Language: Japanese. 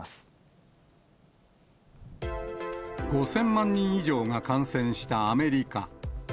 ５０００万人以上が感染したアメリカ。